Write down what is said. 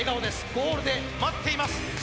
ゴールで待っています。